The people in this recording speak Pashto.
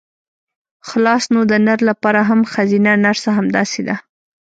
خلاص نو د نر لپاره هم ښځينه نرسه همداسې ده.